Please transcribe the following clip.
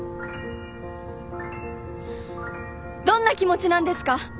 どんな気持ちなんですか？